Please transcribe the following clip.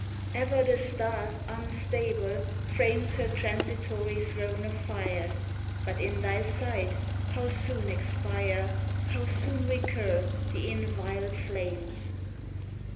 Ever the star, unstable, frames Her transitory throne of fire, But in thy sight how soon expire, How soon recur, the inviolate flames